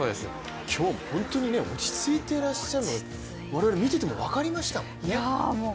今日も本当に落ち着いてらっしゃるの、我々、見ていても分かりましたもんね。